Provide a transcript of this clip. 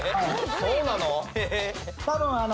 そうなの？